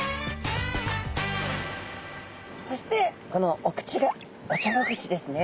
そしてこのお口がおちょぼ口ですね。